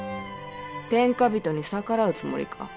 天下人に逆らうつもりか。